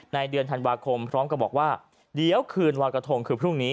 เดือนธันวาคมพร้อมกับบอกว่าเดี๋ยวคืนรอยกระทงคือพรุ่งนี้